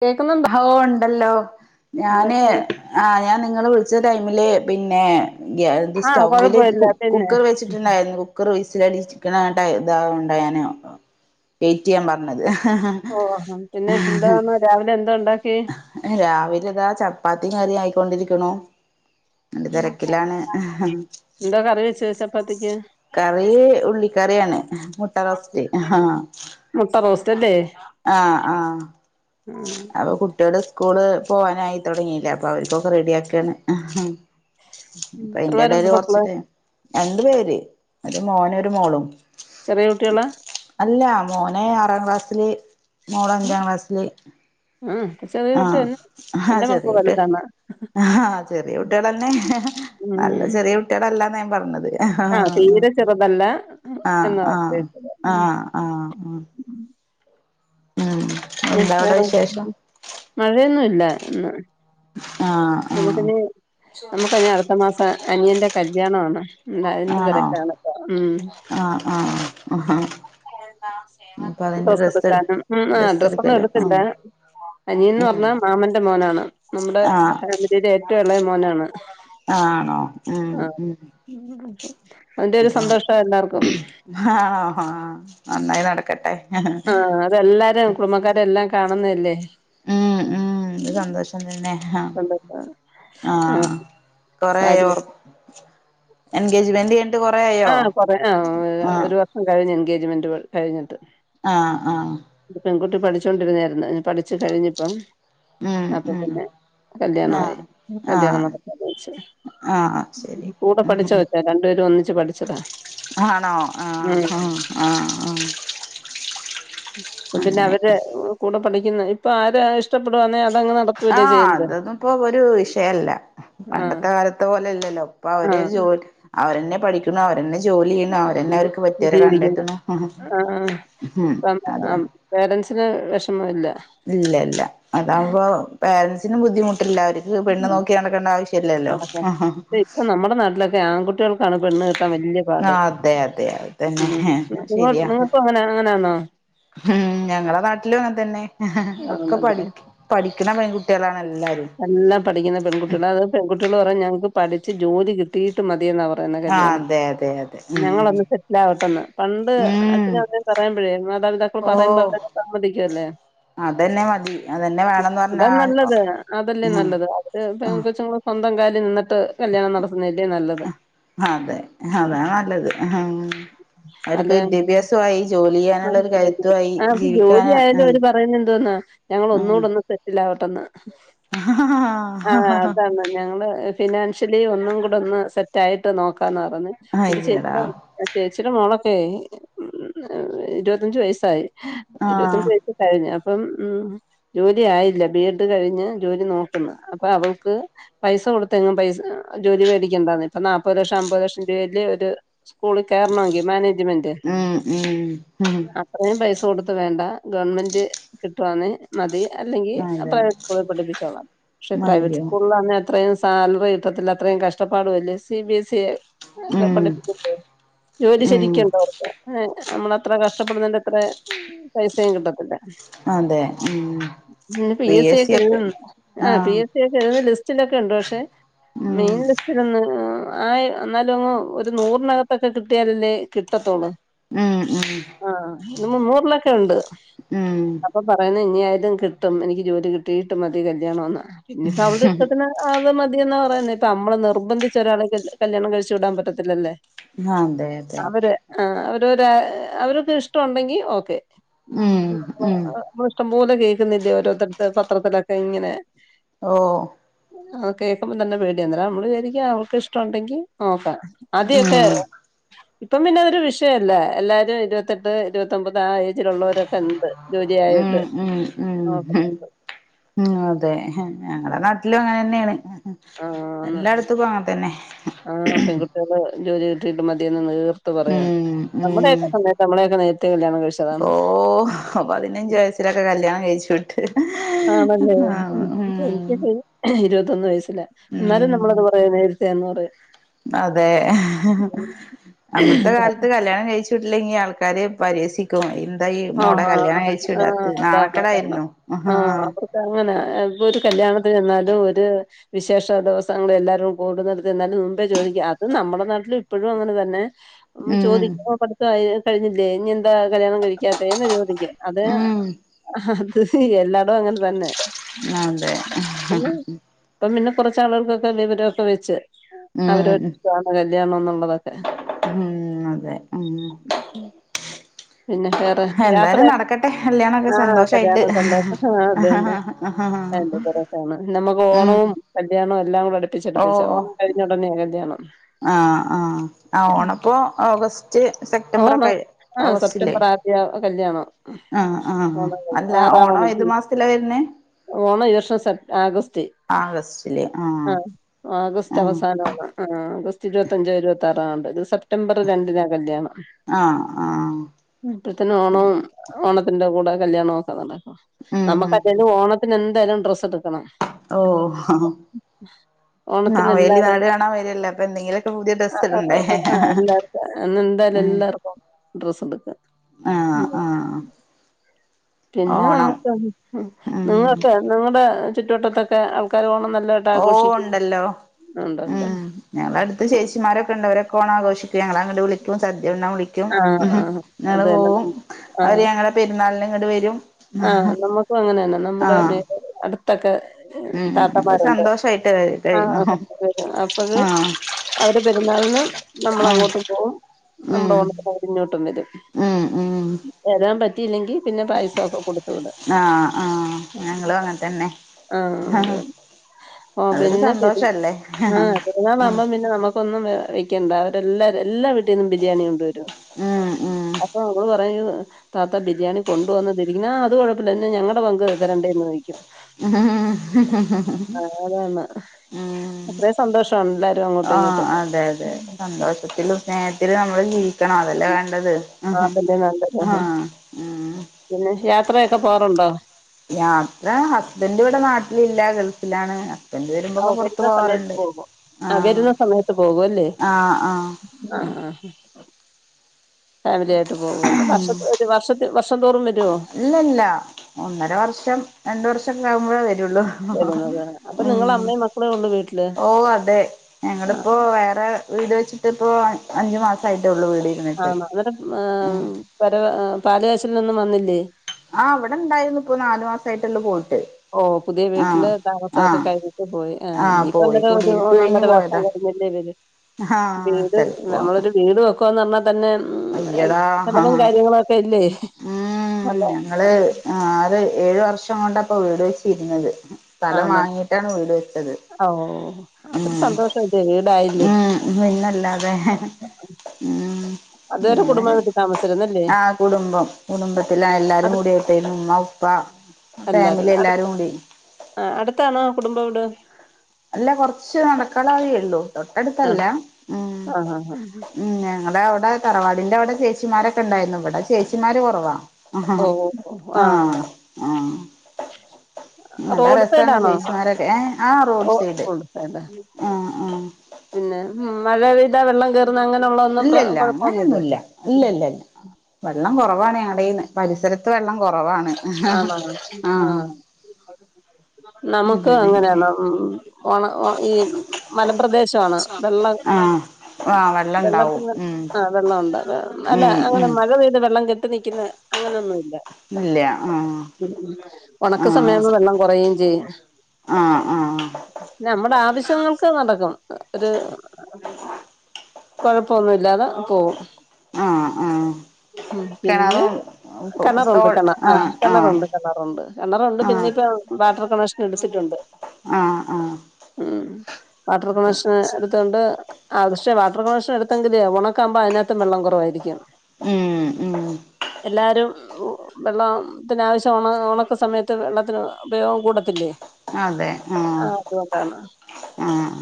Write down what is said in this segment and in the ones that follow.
കേൾക്കുന്നുണ്ടൊ ഓഹ് ണ്ടല്ലോ ഞാന് ആഹ് ഞാൻ നിങ്ങള് വിളിച്ച ടൈമില് പിന്നെ ഗ്യ ആഹ് സ്റ്റ്വ്വ്ല് കൊഴപ്പമില്ല പിന്നെ കുക്കർ വെച്ചിട്ടുണ്ടായിരുന്നു കുക്കർ വിസിലടി ചിക്കണായേണ്ടേ ഇതാ ഉണ്ട ഞാന് വെയിറ്റെയ്യാൻ പർഞ്ഞത് ഓഹ് പിന്നെ എന്തോന്ന രാവിലെ എന്തോണ്ടാക്കിയേ? ഏഹ് രാവിലെതാ ചപ്പാത്തിയും കറിയും ആയിക്കൊണ്ടിരിക്ണോ നല്ല ഉം തിരക്കിലാണ് എന്താ കറി വെച്ച് ചപ്പാത്തിക്ക് കറി ഉള്ളിക്കറിയാണ് മുട്ട റോസ്റ്റ് ആഹ് മുട്ട റോസ്‌റ്റല്ലേ ആഹ് ആഹ് അപ്പൊ കുട്ടിള് സ്കൂള് പോവാനായിത്തൊടങ്ങിയിലെ അപ്പൊ അവർക്കൊക്കെ റെഡിയാകാണ് ഉം ഇപ്പ എത്ര പേരുണ്ട് ഇന്റെടയില് മക്കള് കൊറച്ച് ടൈം രണ്ട് പേര് ഒരു മോനും ഒരു മോളും ചെറിയ കുട്ടികളാ അല്ല മോന ആറാം ക്ലാസ്സില് മോള് ഉം അഞ്ചാം ക്ലാസ്സില് ആ ചെറിയ ആ കുട്ടി തന്നെ ആഹ എന്റെ മക്കള് ചെറിയോട്ടി വലുതാണ് ആഹ് ചെറിയ കുട്ടികൾന്നെ നല്ല ഉം ചെറിയ കുട്ടികളല്ലാന്ന ഞാൻ പറഞ്ഞത് ആ ആഹ് തീരെ ചെറുതല്ല ആഹ എന്നാ ഉദ്ദേശിച്ചത് ആഹ ഉം ആഹ് ആഹ ഉം എന്താ അവിടെ വിശേഷം മഴയൊന്നു ഇല്ല ഇന്ന് ആഹ് നമുക്ക ആഹ് ഇനി നമുക്ക്നി അടുത്ത മാസം അനിയന്റെ കല്യാണ ആണ് ഉം അതിന്റെ ആണോ തിരകാണപ്പ ഉം ആഹ് ആഹ് ആഹ് അപ്പൊ അതിന്റെ ഡ്ര ഡ്രസ്സ് എടുക്കാനും ഉം ആ ഡ്രസ്സ് ഒന്നും എടുക്കല്ലോ എടുത്തില്ല ആഹ് അനിയന്ന് ഉം പറഞ്ഞാ മാമന്റെ മോനാണ് നമ്മുടെ ആഹ് ഫാമിലിയിലെ ഏറ്റവും എളേ മോനാണ് ആണോ ഉം ആ ഉം അതിന്റെ ഒരു സന്തോഷം എല്ലാർക്കും ആഹ്ഹ നന്നായി നടക്കട്ടെ ആഹ് അതെല്ലാരും കുടുംബക്കാരെ എല്ലാം കാണുന്നല്ലേ ഉം ഉം സന്തോഷം ന്നെ സന്തോഷാ ആ ആഹ് കൊറ സാരിയൊ ഓർ എൻഗേജ്മെന്റ് കഴി ആഹ കൊറെ ആ ഒരു വർഷം കഴിഞ്ഞ് എൻഗേജ്മെന്റ് കഴിഞ്ഞിട്ട് ആഹ് ആഹ് പെൺകുട്ടി പഠിച്ചോണ്ടിരുന്നായിരുന്നു പഠിച്ചു കഴിഞ്ഞിപ്പം ഉം അപ്പൊ ഉം പിന്നെ ആ കല്യാണമായി ആ കല്യാണം നടക്ക വച്ച് ആ ശരി കൂടെ പഠിച്ചാ ഉം കൊച്ചാ രണ്ടു പേരും ഒന്നിച്ച് പഠിച്ചതാ ആണോ ആ ഉം ആ ആ പിന്നെ അങ്ങനെ അവര് കൂടെ പഠിക്കുന്ന ഇപ്പൊ ആരും ആ ആഹ് അതൊന്നും ഇപ്പൊ ഒരു വിഷയല്ല ആഹ് പണ്ടത്തെ കാലത്തെ പോലെല്ലല്ലോ ഇപ്പൊ അവര് ആഹ് ജോലി അവരെന്നെ പഠിക്കണ അവരെന്നെ ജോലി ചെയ്യുന്നു അവരെന്നെ അവർക്ക് പറ്റിയവരെ ജീവിക്കുന്നു കണ്ടെത്തുന്നു അതാ പേരന്റ്സിന് വിഷമ ഇല്ല ഇല്ല ഇല്ല അതാവുമ്പോ പേരൻസിനും ബുദ്ധിമുട്ടില്ല അവർ പെണ്ണ് നോക്കി നടക്കേണ്ട ആവശ്യ ഇല്ലല്ലോ ആഹ് ആഹ് ആ ഇപ്പൊ നമ്മുടെ നാട്ടില ആൺകുട്ടികൾക്കാണ് പെണ്ണ് കിട്ടാൻ വലിയ ആ പാട് അതെ അതെ അത് തന്നെ ഉം ശരിയാ ഇങ്ങൾക്കും അങ്ങനെ അങ്ങനാണോ ഉം ഞങ്ങളെ നാട്ടിലും ഇങ്ങനെ തന്നെ ഒക്കെ ആണല്ലേ പഠിക്കും പഠിക്കുന്ന പെൺകുട്ടികളാണ് എല്ലാരും എല്ലാം പഠിക്കുന്ന പെൺകുട്ടികള് അത് പെൺകുട്ടികള് പറയും ഞങ്ങൾക്ക് പഠിച്ച് ജോലി കിട്ടിട്ട് മതിയെന്ന പറഞ്ഞ ആ കല്യാണം അതെ അതെ അതെ ഉം ഞങ്ങളൊന്ന് സെറ്റിൽ ആവട്ടെന്ന് പണ്ട് ഉം അച്ഛനും അമ്മ പറയുമ്പഴേ മാതാപിതാക്കൾ പറയുമ്പോ അത് സമ്മതിക്കുമല്ലേ അതെന്നെ മതി അതെന്നെ വേണംന്ന് പറഞ്ഞാ നല്ലത് അതല്ലേ നല്ലത് അത് ഇ കൊച്ച്ങ്ങള് സ്വന്തം കാല നിന്നിട്ട് കല്യാണം നടത്തുന്നതല്ലേ നല്ലത് അതെ ആ അതാ നല്ലത് അവർക്ക് അല്ലെ വിദ്യാഭ്യാസമായി ജോലി ആ ചെയ്യാനുള്ള ഒരു ജോലി കരുത്തു ആയി ആ, അപ്പൊ ജീവിക്കാൻ ജോലി ആയാലും ഉ അവര് പറയുന്ന എന്തോന്നാ ഞങ്ങൾ ഒന്നുകൂടെ ഒന്ന് സെറ്റിൽ ആവട്ടെന്ന് അ ഹ ഹ ഹാ.. ആ അതാണ് ഞങ്ങള് ഫിനാൻഷ്യലി ഒന്നും കൂടെ ഒന്ന് സെ റ്റായിട്ട് നോക്കാന്ന് പറഞ് എന്റെ ചെ അയ്യടാ ചേച്ചിടെ മോളൊക്കെ ഉം ഇരുപത്തഞ്ച് വയസ്സായി ഹ് ആഹ് ഇരുപതഞ്ച് കഴിഞ്ഞ് അപ്പം ജോലി ആയില്ല ബി എഡ് കഴിഞ്ഞ് ജോലി നോക്ക്ന്ന് അപ്പൊ അവൾക്ക് പൈസ കൊടുത്തെങ്ങും പൈസ് അഹ് ജോലി വേടിക്കെണ്ടാന്നെ ഇപ്പൊ നാല്പ്പത് ലക്ഷം അമ്പത് ലക്ഷം രൂപയല്ലേ ഒരു സ്കൂളി കേർണൊങ്കി മാനേജ്മെന്റ് ഉം ഉം ഉം ആഹ് അത്രേം പൈസ കൊടുത്ത് വേണ്ട ഗവൺമെന്റ് കിട്ടുവാന്നെ മതി അല്ലെങ്കിൽ അതെ പ്രൈവറ്റ് സ്കൂളി പഠിപ്പിച്ചോളാം പഷെ പ്രൈവറ്റ് അയ്യോ സ്കൂളിലാന്നെ അത്രയും സാലറി കിട്ടത്തില്ല അത്രയും കഷ്ടപ്പാടും അല്ലേ സി ബി എസ് ഇ ഉം [unintelligible] ജോലി ഉം ശരിക്ക്ണ്ടോ നമ്മളത്ര കഷ്ടപ്പെടുന്നെന്റ അത്രെ പൈസയും കിട്ടത്തില്ല അതെ ഉം പിന്നെ പി എസ് സ ഒക്കെ ഏഴുതുന്ന് ആഹ് പി എസ് സി ഒക്കെ എഴ്‌തുന്ന ലിസ്റ്റിലൊക്കെ ഉണ്ട് പക്ഷെ ഉം മെയിൻ ലിസ്റ്റിൽ ഒന്ന് ആയി എന്നാലും അങ്ങ് ഒരു നൂറിനകത്തൊക്കെ കിട്ടിയാലല്ലേ കിട്ടത്തൊള്ളൂ ഉം ഉം ആഹ ഇത് മുന്നൂർലൊക്കെ ഒണ്ട് ഉം പറയുന്നത് ഇനി ആയാലും കിട്ടും എനിക്ക് ജോലി കിട്ടീട്ട് മതി കല്യാണം എന്ന് ഇനിഇപ്പ അവൾടെ ഇഷ്ടത്തിന് അത് മതി എന്നാ പറയ്ന്നേ ഇപ്പൊ അമ്മള് നിർബന്ധിച്ച് ഒരാളെ ക കല്യാണം കഴിച്ചു വിടാൻ പറ്റത്തില്ലല്ലേ ആഹ് അതെ അതെ ആഹ് ഓരോരാ അവര്ക്ക് ഇഷ്ടം ഒണ്ടെങ്കി ഓക്കെ ഉം ഉം നമ്മള് ഇഷ്ടംപോലെ കേക്കുന്നില്ലേ ഓരോരുത്തര്ത് പത്രത്തിലൊക്കെ ഇങ്ങനെ ഓഹ് ആ കേൾക്കുമ്പോം തന്നെ പേട്യ അന്നേരം നമ്മള് വിചാരിക്കും അവൾക്ക്‌ ഇഷ്ടം ഒണ്ടെങ്കി നോക്കാം ആദ്യ ഒക്കെ ഉം ഇപ്പം പിന്നെ അതൊരു വിഷയല്ല എല്ലാരും ഇരുപത്തെട്ട് ഇരുപത്തൊമ്പത് ആ ഏജിലുള്ളോരൊക്കെ ണ്ട് ഉം ഉം ഉം ഉം അതെ ഞങ്ങളെ നാട്ടിലും അങ്ങനെന്നെ ആണ് എല്ലാട്ത്തുക്കും അങ്ങെനെതെന്നെ ആഹ് പെൺകുട്ട്യാള് ജോലി കിട്ടിയിട്ട് മതിയെന്ന് നീർത്ത് പറയാണ് ഉം നമ്മടെ ഒക്കെ സമയത്ത് നമ്മളെ ഒക്കെ നേരത്തെ കല്യാണം കഴിച്ചു ഓഹ് പതിനഞ്ച് വയസിലൊക്കെ കല്യാണം കഴിച്ചു വിട്ട് ആണല്ലേ ആ ഉം എനിക്ക് ഇരുപത്തൊന്ന് വയസ്സിലാ ഉം എന്നാലും നമ്മളത് പറയന്നെ നേര ത്തെയാന്ന് പറയും അതെ അന്നത്തെ കാലത്ത് കല്യാണം കഴിച് ട്ടില്ലെങ്കി ആൾക്കാര് പരഹസി ക്കും എന്താ ഈ ആ മോളെ ആ കല്യാണം കഴിച്ചു ആ വിടാത്ത് അതാണ് നാണകേട് അതാണ് ആയിരുന്നു ആഹാ ആഹ് അവർക്ക് അങ്ങനെ ഇപ്പൊ ഒരു കല്യാണത്തിന് ചെന്നാലും ഒര് വിശേഷ ദിവസങ്ങൾ എല്ലാരും കൂടുന്നെടത്ത് ചെന്നാലും മുമ്പേ ചോയ്ക്കും അത് നമ്മടെ നാട്ടില് ഇപ്പഴും അങ്ങനെ തന്നെ ഒന്ന് ഉം ചോദിക്കും ഓഹ് പഠിത്തം ആയി കഴിഞ്ഞില്ലേ ഇനി എന്താ കല്യാണം കയിക്കാത്തേന്ന് ചോദിക്കും അത് ഉം അത്‌ എല്ലാടും അങ്ങനെ തന്നെ അതെ പിന്നെ ഇപ്പം പിന്നെ കൊറച്ച് ആളാൾക്കൊക്കെ വിവരൊക്കെ വെച്ച് അവര് ഉം [unintelligible] കല്യാണം ഉള്ളത് ന്നൊക്കെ ഉം അതെ ഉം പിന്നെ വേറെ യാത്ര എന്തായാലും നടക്കട്ടെ കല്യാണൊക്കെ ആഹ് സന്തോഷായിട്ട് കല്യാണം സന്തോഷം ആ അത് തന്നെ [unintelligible] നമുക്ക് ഉം ഓണോം കല്യാണോം എല്ലാം കൂടെ ഓ അടുപ്പിച്ചടുപ്പിച്ചാ ഓണം കഴിഞ്ഞ ഉടനെ ഉടനെയാ കല്യാണം ആഹ് ആഹ് ആഹ ഓണപ്പോ ഓഗസ്റ്റ് സെപ്റ്റംബർ ഒക്കെ ഓഗസ്റ്റില്ലേ യാ കല്ല്യാണം ആ ആ അല്ല ഓണം ഏതു ഉം. മാസത്തിലാ വരുന്നെ ഓണം ഈ വർഷം സെപ് ആഗസ്റ്റ് ആഗസ്റ്റില് ആഹ് ആഹ ആഗസ്റ്റ് ആഹ് അവസാനം ആണ് ആ ആഗസ്റ്റ് ഇരുപത്തഞ്ചോ ഇരുപത്തി ആറോ എങ്ങാണ്ട് ഇത് സെപ്റ്റംബർ രണ്ടിനാ കല്ല്യാണം ആഹ് ആഹ് അപ്പത്തേന് ഓണവും ഓണത്തിന്റെ കൂടെ കല്യാണവും ഒക്ക നടക്കും ഉം നമക്കല്ലേലും ഓണത്തിന് എന്തായാലും ഡ്രസ്സ് എടുക്കണം ഓഹ് അ ഓണത്തിന് എല്ലാരും കാണാൻ വരുവല്ലേ അപ്പൊ എന്തെങ്കിലുമൊക്കെ പുതിയ ഡ്രസ്സ് ആഹ് ആ ഇടണ്ടേ ആ എല്ലാരും അന്ന് എന്തായാലും ആഹ് എല്ലാർക്കും ഡ്രസ് എടുക്കും ആഹ് പിന്നെ ഓണം നമുക്ക് ഉം നിങ്ങൊക്കെ നിങ്ങളുടെ ചുറ്റുവട്ടത്തൊക്കെ ആൾക്കാര് ഓണം നല്ലതായിട്ട് ഓ ആഘോഷിക്കുന്നുണ്ടല്ലോ ഉണ്ടല്ലോ മ്മ് ഞങ്ങള് അടുത്ത് ചേച്ചിമാരൊക്കെണ്ട് അവരൊക്കെ ഓണം ആഘോഷിക്കും ഞങ്ങളങ്ങട് വിളിക്കും സദ്യ ഉണ്ണാൻ വിളി ക്കും ആഹ് ഉഹും ആഹ് ഞങ്ങൾ അതന്നെ പോവും നം അവര് ആഹ് ഞങ്ങളെ പെരുന്നാളിന് ഇങ്ങട്ട് വരും. ആഹ് നമ്മുക്കും അങ്ങനെ തന്നെ നമ്മുടെ ആഹ് നെയ്ബറും അടു ത്തൊക്കെ ഉം ഞങ്ങള് താത്തമാരുണ്ട് സന്തോഷായിട്ട് ആ കഴിയുന്നു അപ്പോഴ് ആഹ് അവര് പെരുന്നാളിന് നമ്മൾ ആഹ് അങ്ങോട്ടും പോകും നമ്മുടെ ഓണത്തിന് അവര് ഇങ്ങോട്ടും വരും മ്മ് മ്മ് വരാൻ പറ്റിയില്ലെങ്കിൽ പിന്നെ പായസം ഒക്കെ ആഹ് ആഹ് ഞങ്ങളും അങ്ങനെ തന്നെ ഓ അതൊരു പിന്നെ പെരു സന്തോഷല്ലേ ആഹ് പെരുന്നാൾ ഉം ആകുമ്പം പിന്നെ നമുക്ക് ഒന്നും വെക്കേണ്ട അവരെല്ലാരും എല്ലാ വീട്ടിൽ നിന്നും ബിരിയാണി കൊണ്ട് വരും. ആഹ് ആഹ് അപ്പൊ നമ്മള് പറയും താത്ത ബിരിയാണി കൊണ്ടുവന്നതിണ്ട് പിന്ന അത് കുഴപ്പില്ല ന്നാ ഞങ്ങളടെ പങ്ക് തരണ്ടേ എന്ന് ചോയിക്കും. ഉം അങ്ങനാണ് ഉം ആഹ് ഇങ്ങോട്ടും അതെ അതെ സന്തോഷത്തിലും സ്നേഹത്തിൽ നമ്മള് ജീവിക്കണം അതല്ലേ വേണ്ടത് ഉം അതല്ലേ നല്ലത് ആഹ് ഉം പിന്നെ യാത്രയൊക്കെ പോവാറുണ്ടോ യാത്ര ഹസ്ബെന്റ് ഇവിടെ നാട്ടിലില്ല ഗൾഫിലാണ്. എന്നേലും ഓ വരുമ്പൊക്കെ പുറത്തു വരുന്ന സമയത്ത് പോവാറുണ്ട് പോകും ആ ആഹ് വരുന്ന സമയത്ത് പോകും അല്ലേ ആഹ് ആഹ് ആ ആ ഫാമിലി ആയിട്ട് പോവ്വല്ലോ വർഷം ഒരു വർഷത്തി വർഷം തോറും വര്വോ ഇല്ല ഇല്ല ഒന്നര വർഷം രണ്ട് വർഷെല്ലാം ആകുമ്പോഴേ വരുള്ളൂ വരുന്നത് അപ്പൊ ഉം നിങ്ങള് അമ്മയും മക്കളേ ഉള്ളൂ വീട്ടില് ഓ അതെ ആ ഞങ്ങളിപ്പോ വേറെ വീട് വെച്ചിട്ട് ഇപ്പോ അഞ്ച് മാസായിട്ടേ ഉള്ളൂ വീടിന് ആണോ അന്നരം മ്മ് പെരവ പാലുകാച്ചലിനൊന്നും വന്നില്ലേ ആഹ് ഇവിടെ ഇണ്ടായിരുന്നു ഇപ്പൊ നാല് മാസം ആയിട്ടുള്ള് പോയിട്ട് ഓ പുതിയ ആഹ് വീട്ടില് താമസൊക്കെ ആഹ് കഴിഞ്ഞിട്ട് പോയി ആഹ് ഇനിയിപ്പോ പോയി അന്നരം ഒരു കുടിയിരിപ്പ് കഴിഞ്ഞ് ഒന്നൊന്നര വർഷം പോയതാ കഴിഞ്ഞ ല്ലേ വരൂ ആഹ് വീട് ചെലപ്പോ നമ്മളൊരു വീട് വെ ക്കാന്ന് പറഞ്ഞാൽ തന്നെ അയ്യടാ മ്മ് ചെലവും കാര്യങ്ങളൊക്കെ ഇല്ലേ ഉം നല്ല ഞങ്ങള് ആറ് ഏഴു വർഷം കൊണ്ടാപ്പോ വീട് വെച്ചിരുന്നത് സ്ഥലം വാങ്ങിയിട്ടാണ് വീട് വെച്ചത്. അ ഓ അതൊരു സന്തോഷായില്ലേ വീടായില്ലേ ആഹ് പിന്നല്ലാതെ മ്മ് അതുവരെ കുടുംബ വീട്ടിൽ താമസിച്ചല്ലേ ആഹ് കുടുംബം കുടുംബത്തിലാ എല്ലാരും അടു കൂടെ ഉണ്ടേനു ഉമ്മ ഉപ്പ ഫാമിലി എല്ലാരും കൂടി ആഹ് അടുത്താണോ കുടുംബ വീട് അല്ല കൊറച്ച് നടക്കാനുള്ള വഴിയേ ഉള്ളു ആ തൊട്ടടുത്തല്ല ഉം ആ ആ ആ. ഉം ഞങ്ങടെ അവിടെ തറവാടിന്റെ അവിടെ ചേച്ചിമാരൊക്കെ ഉണ്ടായിരുന്നു ഇവിടെ ചേച്ചിമാര് കൊറവാ ഓ ആഹ് ഓ, ആ ആഹ് ആ ആ നല്ല റോഡ് രസാണ് ചേച്ചിമാരൊക്കെ ഏ ഹ് ആഹ് റോഡ് സൈഡ് കൊടുകേണ്ടെ ഉം ആഹ് ആഹ് പിന്നെ ഉം മഴ പെയ്താ വെള്ളം കേറുന്ന അങ്ങനെ ഉള്ള ഇല്ല ഇല്ല അങ്ങനെയൊന്നുംല്ല ഇല്ല ല്ല ല്ല വെള്ളം കൊറവാണ് ഞങ്ങടെന്ന് പരിസരത്ത് വെള്ളം കൊറവാണ് ആണോ ആഹ് നമുക്ക് അങ്ങനെയൊക്കെ അങ്ങനെയാണ് ഉം ഓണ ഈ മലപ്രദേശാണ് വെള്ളം ആഹ് ആഹ് വ വെള്ളത്തിന് ആഹ് വെള്ളണ്ട് അല്ല ഉം അങ്ങനെ ഉം മല മഴ പെയ്ത് വെള്ളം കെട്ടി നിക്കുന്ന അങ്ങനെയൊന്നും ഇല്ല ഇല്ല ആഹ് ഒണക്ക് ആഹ് സമയാമ്പ വെള്ളം കൊറയുകയും ചെയ്യും ആഹ് ആഹ് നമ്മുടെ ആവശ്യങ്ങൾക്ക് നടക്കും ഒരു കൊഴപ്പൊന്നു ഇല്ലാതെ പോകും ആഹ് ആഹ് ഉം പിന്നെ കിണറും കെണറുണ്ട് തോൾ കെണ ആഹ് ആഹ് ആഹ് കെണറുണ്ട് കെണറുണ്ട് കെണറുണ്ട് ആഹ് പിന്നിപ്പ വാട്ടർ കണക്ഷൻ എടുത്തിട്ടുണ്ട് ആഹ് ആഹ് ഉം വാട്ടർ കണക്ഷൻ എടുത്തോണ്ട് ആഹ് പക്ഷേ വാട്ടർ കണക്ഷൻ എടുത്തെങ്കില് ഉണക്കാമ്പോ അതിനത്തും വെള്ളം കൊറവായിരിക്കും ഉം ഉം എല്ലാരും ഉം വെള്ളം ത്തിന് ആവശ്യാണ് ഒണക്ക സമയത്ത് വെള്ളത്തിന് ഉപയോഗം കൂടത്തില്ലേ അതെ ആഹ് ആഹ്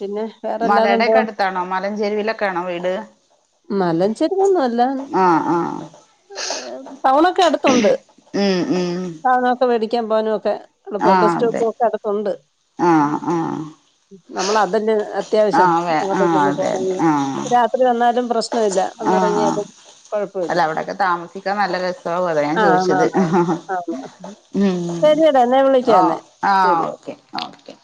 പിന്നെ വേറെല്ലാതെ എന്താ മലേടക്കടുത്താണോ മലഞ്ചെരുവിലൊക്കാണോ വീട് ഉം മലഞ്ചെരുവൊന്നും അല്ല ആഹ് ആഹ് ഒര് പ [unintelligible] നൊക്കെ അടുത്തുണ്ട് ഉം ഉം സാധനൊക്കെ മേടിക്കാൻ പോകാനൊക്കെ എളുപ്പം ആഹ് ബസ് അതെ സ്റ്റോപ്പൊക്കെ അടുത്തുണ്ട് ആഹ് ആഹ് നമ്മളതല്ലേ അ അത്യാവശ്യം ആഹ് വേ ആഹ് എങ്ങോട്ടേലൊന്ന് അതെ അതെ പോണെങ്കില് ആഹ് ഒരാ ര്‌വന്നാലും പ്രശ്നല്ല ആഹ് ഒന്നറങ്ങിയാലും കുഴപ്പല്ല അല്ല അവിടൊക്കെ താമസിക്കാൻ നല്ല രസാവു അതാ ഞാ ആണ് ചോയിച്ചത് ആണ് ആണ് മ് ശരിയെടാ എന്നെ വിളിക്കാം ഹ്ആ എന്നെ ആഹ് ശരി ഓക്കെ ഓക്കെ